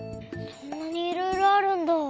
そんなにいろいろあるんだ。